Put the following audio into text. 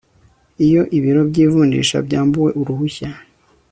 iyo ibiro by ivunjisha byambuwe uruhushya